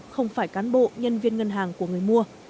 không phải cán bộ nhân viên ngân hàng của người mua